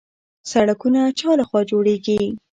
سړکونه چا لخوا جوړیږي؟